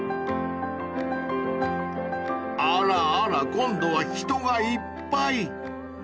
［あらあら今度は人がいっぱい］